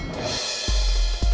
bukan karena itu lid